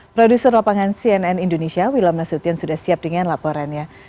produser lapangan cnn indonesia wilam nasution sudah siap dengan laporannya